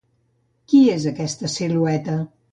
Qui és aquesta silueta?